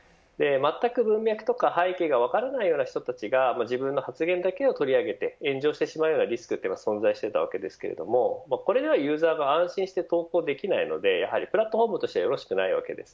文脈とか背景が分からないような人たちが自分の発言だけを取り上げて炎上してしまうリスクが存在するわけですがこれがユーザーが安心して投稿できないのでプラットフォームとしてよろしくない。